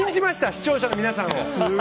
視聴者の皆さんを。